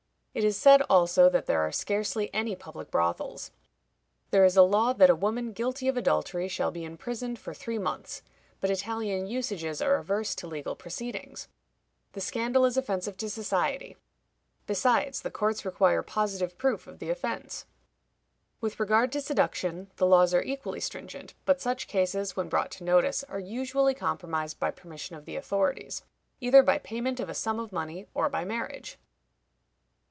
It is said, also, that there are scarcely any public brothels. There is a law that a woman guilty of adultery shall be imprisoned for three months, but Italian usages are averse to legal proceedings; the scandal is offensive to society; besides, the courts require positive proof of the offense. With regard to seduction, the laws are equally stringent; but such cases, when brought to notice, are usually compromised by permission of the authorities, either by payment of a sum of money, or by marriage.